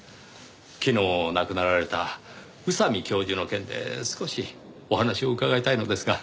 昨日亡くなられた宇佐美教授の件で少しお話を伺いたいのですが。